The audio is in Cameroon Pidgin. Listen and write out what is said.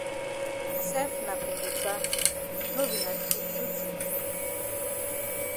Sef na kongosa no be na true true tin?